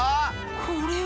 これは。